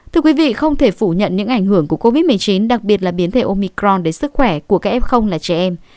thưa quý vị không thể phủ nhận những ảnh hưởng của covid một mươi chín đặc biệt là biến thể omicron đến sức khỏe của các em là trẻ em